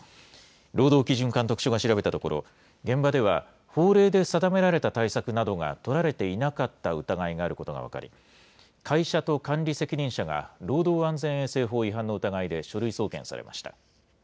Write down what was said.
労働基準監督署が調べたところ、現場では、法令で定められた対策などが取られていなかった疑いがあることが分かり、会社と管理責任者が、労働安全衛生法違反の疑いで書類送検されました。